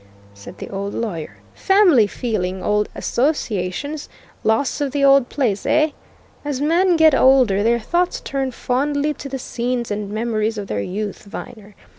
said the old lawyer. "Family feeling, old associations, loss of the old place eh? As men get older, their thoughts turn fondly to the scenes and memories of their youth, Viner.